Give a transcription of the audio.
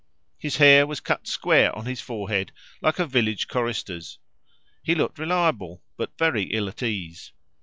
His hair was cut square on his forehead like a village chorister's; he looked reliable, but very ill at ease.